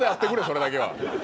それだけは。